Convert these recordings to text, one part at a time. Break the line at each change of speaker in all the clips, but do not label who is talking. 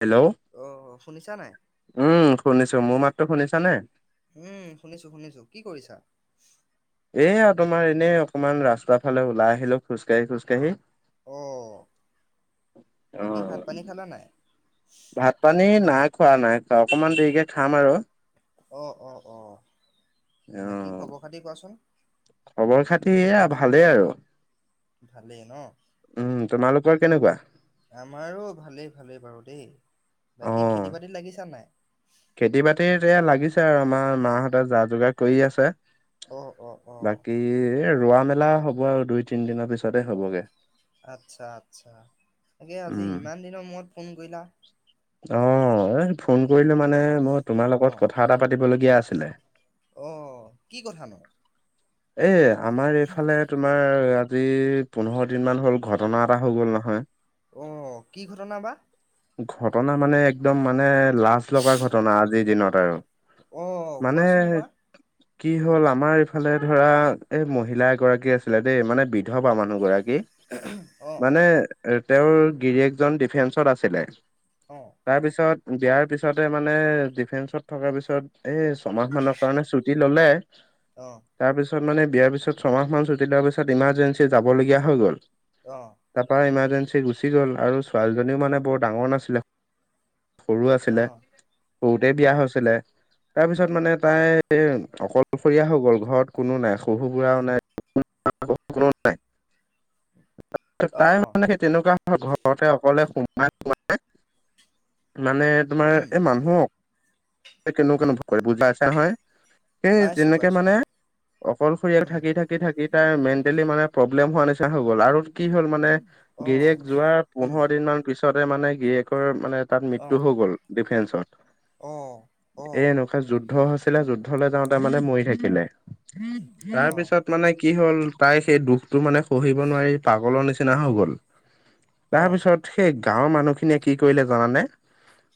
Hello,
অ শুনিছা নাই।
উম শুনিছো মোৰ মাতো শুনিছা নে।
উম শুনিছো শুনিছো কি কৰিছা।
এয়া তোমাৰ এনেই অকনমান ৰাস্তা ফালে ওলাই আহিলো খোজ কাঢ়ি খোজকাঢ়ি।
অ বাকী
অ'
ভাত পানী খালা নাই।
ভাত পানী নাই খোৱা নাই খোৱা অকমান দেৰিকে খাম আৰু
অ অ অ, বাকী খবৰ খাতি কোৱাচোন
আহ খবৰ খাতি এয়া ভালেই আৰু
ভালেই ন।
উম তোমালোকৰ কেনেকুৱা?
আমাৰো ভালেই ভালেই বাৰু দেই বাকী
অ'
খেতি বাতি লাগিছা নাই।
খেতি বাতি এয়া লাগিছে আৰু আমাৰ মাহঁতে যা যোগাৰ কৰি আছে।
অ অ অ
বাকী ৰোৱা মেলা হ'ব আৰু দুই তিন দিনৰ পিছতে হ'বগে।
আচ্ছা আচ্ছা তাকে আজি
উম
ইমান দিনৰ মূৰত ফোন কৰিলা।
অ এই ফোন কৰিলো মানে মই তোমাৰ
অ
লগত কথা এটা পাতিবলগীয়া আছিলে।
অ কি কথা নো।
এ আমাৰ এইফালে, তোমাৰ আজি পোন্ধৰ দিন মান হ'ল ঘটনা এটা হৈ গ'ল নহয়।
অ কি ঘটনা বা।
ঘটনা মানে একদম মানে লাজ লগা ঘটনা আজিৰ দিনত আৰু
অ
মানে
কোৱাচোন কোৱা
কি হ'ল আমাৰ, ফালে ধৰা এই মহিলা এগৰাকী আছিলে দেই মানে বিধৱা মানুহ গৰাকী।
অ, অ
মানে তেওঁৰ গিৰিয়েকজন ডিফেন্সত আছিলে।
অ'।
তাৰপিছত বিয়াৰ পিছতে মানে, ডিফেন্সত থকাৰ পিছত এই ছমাহমানত কাৰণে ছুটি ল'লে।
অ'।
তাৰপিছত মানে বিয়াৰ পিছত ছমাহ ছুটি লোৱাৰ পিছত ইমাৰ্জেঞ্চি যাবলগীয়া হৈ গ'ল।
অ,
তাৰপা ইমাৰজেঞ্চি গুচি গ'ল আৰু ছোৱালীজনীও মানে বৰ ডাঙৰ নাছিলে। সৰু
অ
আছিলে সৰুতে বিয়া
অ
হৈছিলে তাৰপিছত মানে তাই, অকলশৰীয়া হৈ গ'ল ঘৰত কোনো নাই শহু বুঢ়াও নাই কোনো নাই।
[inaudible] অ
তাই
অ
মানে সেই তেনেকুৱা ঘৰতে অকলে সোমাই সোমাই মানে তোমাৰ,
উম
এই মানুহ কেনে কেনো কৰে বুজি পাইছা নহয়? সেই
পাইছো
যেনেকে
পাইছো
মানে অকলশৰীয়াকৈ থাকি থাকি থাকি থাকি তাইৰ মেণ্টেলি মানে প্ৰব্লেম হোৱা নিচিনা হৈ গ'ল। আৰু কি হ'ল মানে,
অ
গিৰিয়েক যোৱা
উম
পোন্ধৰ দিনমান পিছতে মানে গিৰিয়েকৰ মানে তাত
অ
মৃত্যু হৈ গ'ল ডিফেন্সত!
অ'। অ
এ এনেকুৱা যুদ্ধ হৈছিলে, যুদ্ধলৈ যাওঁতে মানে মৰি থাকিলে।
অ
তাৰপিছত মানে কি হ'ল, তাই সেই দুখটো মানে সহিব নোৱাৰি পাগলৰ নিচিনা হৈ গ'ল।
অ অ
তাৰপিছত সেই গাঁৱৰ মানুহখিনিয়ে কি কৰিলে জানানে?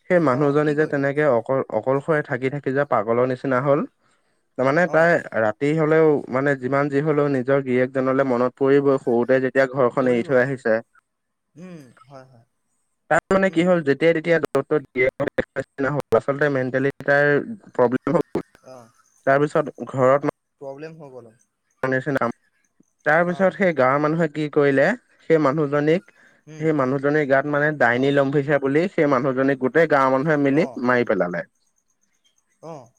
সেই
অ কি
মানুহজনী যে
কৰিলা
তেনেকে অকল-অকলশৰে থাকি থাকি যে পাগলৰ নিচিনা হ'ল, মানে
অ
তাই ৰাতি তি হ'লেও মানে যিমান যি হ'লেও নিজৰ গিৰিয়েকজনলৈ মনত পৰিবই, সৰুতে যেতি তিয়া ঘৰখন এৰি
পৰিবই
থৈ
পৰিব
আহিছে।
উম হয় হয়
তাত মানে কি
উম
হ'ল যেতি যেতিয়াই-তেতিয়াই, আচলতে মেণ্টেলি তাৰ
অ
তাৰপিছত ঘৰত
প্ৰব্লেম হৈ গ'ল।
নিচিনা,
অ
তাৰপিছত সেই গাঁৱৰ মানুহে কি কৰিলে, সেই মানুহজনীক
উম
সেই মানুহজনীৰ গাত মানে
অ
ডাইনী লম্ভিছে বুলি, সেই মানুহজনী গোটেই গাঁৱৰ মানে মানুহে
অ
মিলি মাৰি পেলালে।
অ'।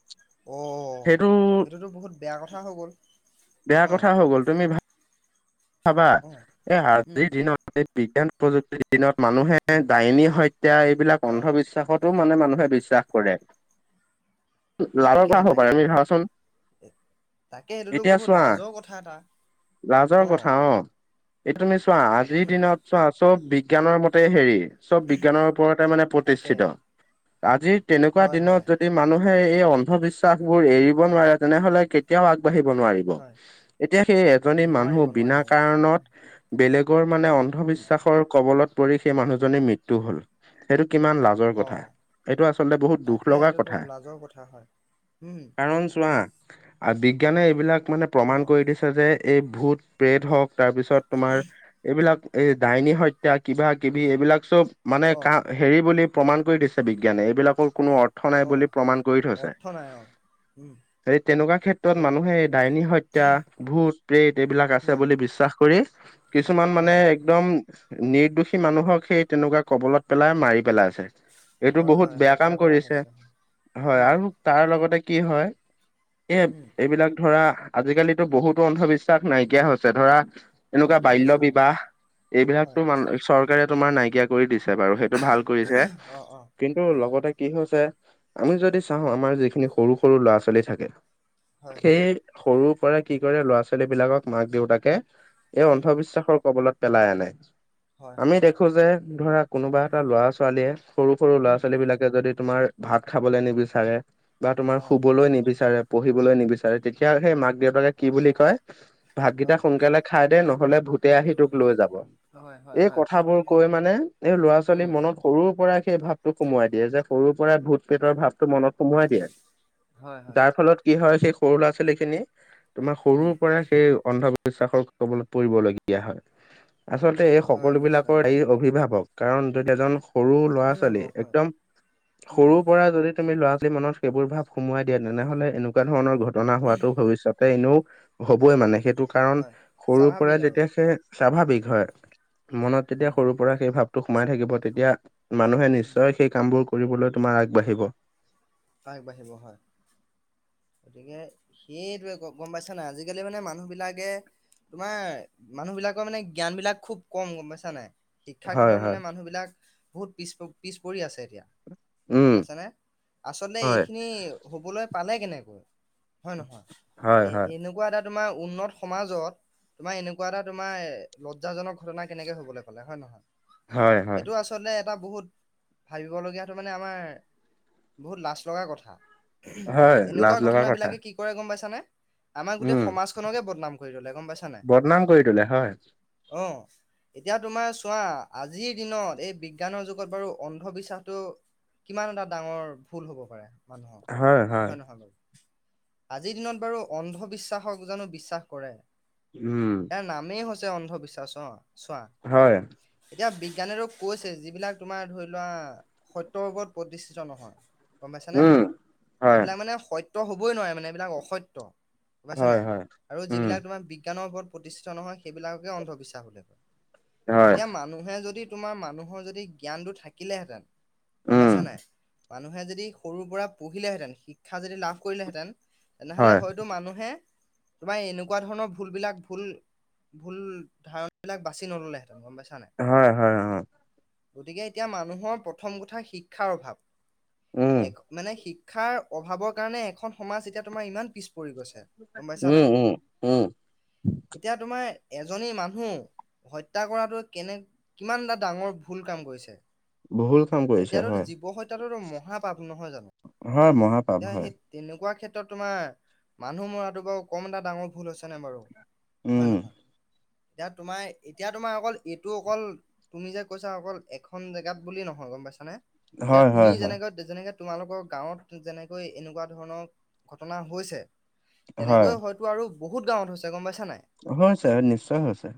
অ',
সেইটো
সেইটোতো বহুত বেয়া কথা হৈ গ'ল।
বেয়া
অ
কথা হৈ গ'ল। তুমি ভাবা,
অ
এ
উম
আজিৰ দিনত বিজ্ঞান প্ৰযুক্তিৰ দিনত মানুহে
উম
ডাইনী হত্যা এইবিলাক
অ
অন্ধবিশ্বাসত টো মানে মানুহে বিশ্বাস কৰে। লাজৰ
তাকে
কথা হ'ব পাৰে
তাকে
তুমি ভাবাচোন!
তাকে এইটোতো
এতিয়া
বহুত
চোৱা,
লাজৰ কথা এটা
লাজৰ কথা অ' এতিয়া তুমি চোৱা, আজিৰ
উম
দিনত চোৱা, চব বিজ্ঞানৰ মতেই হেৰি চব বিজ্ঞানৰ ওপৰতে মানে
তাকে
প্ৰতিষ্ঠিত। আজিৰ তেনেকুৱা
হয়
দিনত
হয়
যদি মানুহে এই অন্ধবিশ্বাসবোৰ এৰিব নোৱাৰে, তেনেহ'লে কেতিয়াও আগবাঢ়িব নোৱাৰি।
হয়
এতিয়া সেই এজনী মানুহ
নোৱাৰিব
বিনা
নোৱাৰিব
কাৰণত, বেলেগৰ মানে
উম
অন্ধবিশ্বাসৰ কবলত পৰি সেই মানুহজনীৰ মৃত্যু হ'ল। সেইটো কিমান লাজ জৰ কথা,
অ
এইটো আচলতে বহুত দুখ
তাকে
লগা
এইটোতো
কথা।
লাজৰ কথা হয় উম
কাৰণ চোৱা, বিজ্ঞানে এইবিলাক মানে
অ
প্ৰমাণ কৰি দিছে যে এই ভূত-প্ৰেত হওক তাৰপিছত তোমাৰ এইবিলাক, এই ডাইনী হত্যা, কিবাকিবি এইবিলাক চব মানে
অ
কা হেৰি বুলি প্ৰমাণ কৰি দিছে বিজ্ঞানে, এইবিলাকৰ
অ
কোনো অৰ্থ নাই
অ
বুলি প্ৰমাণ কৰি থৈছে।
অৰ্থ নাই অ উম
সেই তেনেকুৱা ক্ষেত্ৰত
সেই
মানুহে ডাইনী হত্যা, ভূত-প্ৰেত এইবিলাক আছে
উম
বুলি বিশ্বাস কৰি কিছুমান
অ
মানে একদম নিৰ্দোষী মানুহক সেই তেনেকুৱা কবলত পেলাই মাৰি পেলাই আছে। এইটো
হয়
বহুত
হয়
বেয়া কাম
হত্যা কৰা
কৰিছে।
হৈছে
হয়,
উম
আৰু তাৰ লগতে কি হয় এ
উম
এইবিলাক ধৰা আজি-কালিটো বহুতো অন্ধবিশ্বাস নাইকিয়া হৈছে, ধৰা এনেকুৱা
নাইকিয়া
বাল্য
হৈছে হয়
বিবাহ
হয়
এইবিলাকটো মান চৰকাৰে তোমাৰ নাইকিয়া কৰি দিছে বাৰু সেইটো ভাল কৰিছে।
অ অ
কিন্তু লগতে কি হৈছে আমি যদি চাওঁ
উম
আমাৰ যিখিনি সৰু সৰু ল'ৰা-ছোৱালী থাকে
হয় হয়
সেই সৰুৰ পৰা কি কৰে ল'ৰা-ছোৱালীবিলাকক মাক দেউতাকে, এই
উম
অন্ধবিশ্বাসৰ কবলত পেলাই আনে।
হয়
আমি
হয় হয়
দেখো যে, ধৰা কোনোবা এটা
উম
ল'ৰা-ছোৱালীয়ে, সৰু সৰু
উম
ল'ৰা-ছোৱালীবিলাক যদি তোমাৰ ভাত খাবলৈ নিবিচাৰে, বা তোমাৰ
অ
শুবলৈ নিবিচাৰে, পঢ়িবলৈ নিবিচাৰে তেতিয়া সেই মাক-দেউতাকে কি
অ
বুলি কয়!
অ
ভাতকিটা সোনকালে খাই দে নহলে ভূতে আহি তোক লৈ যাব।
হয় হয়
এই
হয়
কথাবোৰ কৈ মানে এই ল'ৰা-ছোৱালীৰ
উম
মনত সৰুৰ পৰা সেই ভাৱটো সোমোৱাই দিয়ে যে সৰুৰ পৰা ভূত পেটৰ ভাৱটো মনত সোমোৱাই দিয়ে।
হয় হয়
তাৰ ফলত কি হয় সেই সৰু ল'ৰা-ছোৱালী খিনি ইমান
উম
সৰুৰ পৰা সেই অন্ধবিশ্বাসৰ কবলত পৰিবলগীয়া হয়। আচল এই
হয়
সকলো
নিশ্চয়
বিলাকৰ এই
নিশ্চয়
অভিভাৱক কাৰণ যদি এজন সৰু ল'ৰা-ছোৱালী
অভিভাৱক হয়
একদম
উম
সৰু পৰা যদি তুমি ল'ৰা-ছোৱালী মনত সেইবোৰ ভাৱ সোমোৱাই দিয়া, তেনেহ'লে এনেকুৱা ধৰণৰ ঘটনা হোৱাটো ভৱিষ্যত তে এনেও হ'বই মানে সে টো কাৰণ
হয়
সৰুৰ পৰা
স্বাভাৱিক আৰু
যেতিয়া সে স্বাভাৱিক
উম
হয় মনত তেতিয়া
উম
সৰু পৰা সেই ভাৱটো সোমাই থাকিব তেতিয়া মানুহে
উম
নিশ্চয় সেই কামবোৰ কৰিবলৈ তোমাৰ আগবাঢ়িব।
আগবাঢ়িব, হয়। গতিকে সেইটোৱে আক' গম পাইছা নাই? আজি-কালি মানে মানুহ বিলাকে তোমাৰ মানুহবিলাকৰ মানে জ্ঞান বিলাক খুব কম, গম পাইছা নাই? শিক্ষাৰ
হয়
ক্ষেত্ৰত
হয়
মানে মানুহবিলাক বহুত পিছ পিছ পৰি আছে এতিয়া। গম
উম
পাইছানে? আচলতে
হয়
এইখিনি হ'বলে পালে কেনেকৈ? হয় নহয়?
হয়
এ
হয়
এনেকুৱা এটা তোমাৰ উন্নত সমাজত তোমাৰ এনেকুৱা এটা তোমাৰ এ লজ্জাজনক ঘটনা কেনেকে হ'বলে পালে, হয় নহয়?
হয় হয়
এইটো আচ আচলতে এটা বহুত ভাবিব লগীয়াটো মানে আমাৰ বহুত লাজ লগা কথা।
হয়।
এনেকুৱা
লাজ লগা কথা
ঘটনাবিলাকে কি কৰে গম পাইছানে? আমাৰ গোটেই
উম
সমাজখনকে বদনাম কৰি তোলে, গম পাইছা নাই?
বদনাম কৰি তোলে হয়
অ। এতিয়া তোমাৰ চোৱা। আজিৰ দিনত এই বিজ্ঞানৰ যুগত বাৰু অন্ধবিশ্বাসটো কিমান এটা ডাঙৰ ভুল হ'ব পাৰে মানুহৰ।
হয়।
হয় নহয় বাৰু? আজিৰ দিনত বাৰু অন্ধবিশ্বাসক জানো বিশ্বাস কৰে?
উম।
ইয়াৰ নামেই হৈছে অন্ধবিশ্বাচ, অ চোৱা।
হয়।
এতিয়া বিজ্ঞানেটো কৈছে যিবিলাক তোমাৰ ধৰি লোৱা সত্যৰ ওপৰত প্ৰতিষ্ঠিত নহয়, গম পাইছানে?
উম, হয়,
এইবিলাক মানে সত্য হ'বই নোৱাৰে মানে এইবিলাক অসত্য। গম পাইছা
হয়,
নাই?
হয়,
আৰু
উম,
যিবিলাক তোমাৰ বিজ্ঞানৰ ওপৰত প্ৰতিষ্ঠিত নহয় সেইবিলাককে অন্ধবিশ্বাস বোলে।
হয়,
এতিয়া মানুহে যদি তোমাৰ মানুহৰ যদি জ্ঞানটো থাকিলেহেঁতেন। গম
উম,
পাইছা নাই? মানুহে যদি সৰুৰ পৰা পহিলেহেঁতেন। শিক্ষা যদি লাভ কৰিলেহেঁতেন তেনেহ'লে
হয়,
হয়টো মানুহে তোমাৰ এনেকুৱা ধৰণৰ ভুলবিলাক ভুল ভুল ধাৰণা বিলাক বাছি নল'লেহেঁতেন, গম পাইছা নাই?
হয় হয়, অ।
গতিকে এতিয়া মানুহৰ প্ৰথম কথা শিক্ষাৰ অভাৱ।
উম,
এক মানে শিক শিক্ষাৰ অভাৱৰ কাৰণে এখন সমাজ এতিয়া তোমাৰ ইমান পিছ পৰি গৈছে। গম পাইছা
উম,
নাই?
উম, উম,
এতিয়া তোমাৰ এজনী মানুহ হত্যা কৰাটো কেনে কিমান এটা ডাঙৰ ভুল কাম কৰিছে।
বহুল কাম কৰিছে
এতিয়াটো
হয়,
জীৱ হত্যাটোতো মহাপাপ, নহয় জানো?
হয় মহা
এতিয়া সেই তেনেকোৱা ক্ষেত্ৰত তোমাৰ মানুহ মৰাটো বাৰু কম এটা ডাঙৰ ভুল হৈছে নে বাৰু হয়
উম,
নহয়? এতিয়া তোমাৰ এতিয়া তোমাৰ অকল এইটো অকল তুমি যে কৈছা অকল এখন জেগাত বুলিয়ে নহয়, গম পাইছানে? এতিয়া
হয়, হয়,
তুমি
হয়,
যেনেকৈ যেনেকে তোমালোকৰ গাঁৱত যেনে কৈ এনেকোৱা ধৰণৰ ঘটনা হৈছে তেনেকৈ হয় তো আৰু বহুত গাঁৱত হৈছে গম পাইছা নাই
হয় ছাৰ নিশ্চয় হৈছে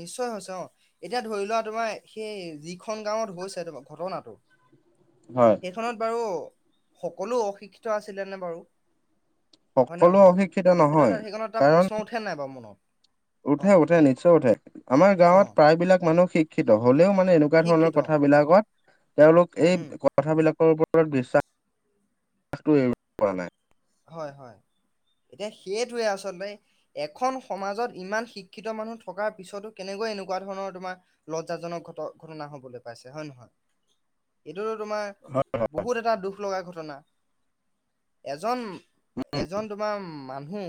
নিশ্চয় হৈছে অ এতিয়া ধৰি লোৱা তোমাৰ সেই যিখন গাঁৱত হৈছে তোমাৰ ঘটনাটো [inaudible]
হয়
খনত বাৰু সকলো অশিক্ষিত আছিলে নে বাৰু হয় নে
সকলো
নহয় বাৰু
অশিক্ষিত
সেইটো
নহয়।
এটা সেইকনত এটা
কাৰণ
প্ৰশ্ন উঠে নাই বাৰু মনত অ
উঠে উঠে নিশ্চয় উঠে আমাৰ
অ
গাঁৱত প্ৰায়বিলাক মানুহ শিক্ষিত হলেও মানে এনেকো কোৱা ধৰণৰ
শিক্ষিত অ
কথাবিলাকত তেওঁলোক এই
উম
কথাবিলাকৰ ওপৰত বিশ্বাসটো এৰিব পৰা নাই
হয় হয় এতিয়া সেইটোৱে আচলতে এখন সমাজত ইমান শিক্ষিত মানুহ থকাৰ পিছতো কেনেকৈ এনেকোৱা ধৰণৰ তোমাৰ লজ্জাজনক ঘট ঘটনা হবলৈ পাইছে হয় নহয় এইটোতো তোমাৰ
হয়,
বহুত এটা দুখ লগা ঘটনা এজন এজন তোমাৰ মানুহ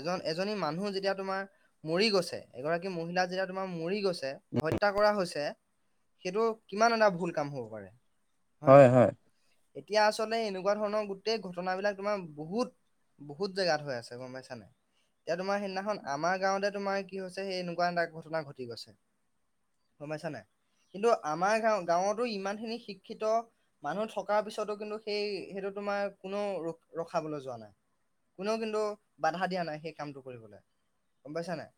এজন এজনী মানুহ যেতিয়া তোমাৰ মৰি গৈছে এগৰাকী মহিলা যেতিয়া তোমাৰ মৰি গৈছে হত্যা কৰা হৈছে সেইটো কিমান এটা ভুল কাম হ'ব পাৰে হয় নহয় এতিয়া আচলতে এনেকোৱা ধৰণৰ গোটেই ঘট নাবিলাক তোমাৰ বহুত বহুত জেগাত হৈ আছে গম পাইছা নাই এতিয়া তোমাৰ সেইদিনাখন আমাৰ গাঁৱতে তোমাৰ কি হৈছে সেই এনেকোৱা এটা ঘটনা ঘটি গৈছে গম পাইছা নাই কিন্তু আমাৰ গাঁও গাঁৱতো ইমানখিনি শিক্ষিত মানুহ থকাৰ পিছতো কিন্তু সেই সেইটো তোমাৰ কোনেও ৰ ৰখাবলৈ যোৱা নাই কোনেও কিন্তু বাধা দিয়া নাই সেই কামটো কৰিবলৈ গম পাইছা নাই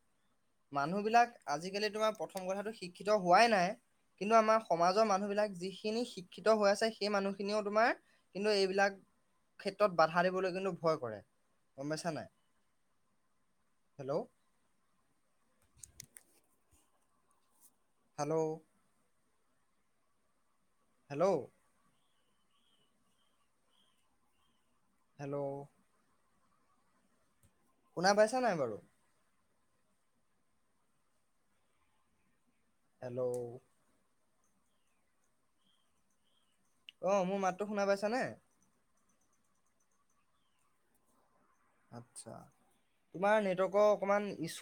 মানুহবিলাক আজিকালি তোমাৰ প্ৰথম কথাটো শিক্ষিত হোৱাই নাই কিন্তু আমাৰ সমাজৰ মানুহবিলাক যিখিনি শিক্ষিত হৈ আছে সেই মানুহখিনিও তোমাৰ কিন্তু এইবিলাক ক্ষেত্ৰত বাধা দিবলৈ কিন্তু ভয় কৰে গম পাইছা নাই হেল্ল' হেল্ল' হেল্ল' হেল্ল' শুনা পাইছা নাই বাৰু হেল্ল' অ মোৰ মাতটো শুনা পাইছানে আচ্ছা তোমাৰ নেটৱৰ্কৰ অকণমান ইছ্যু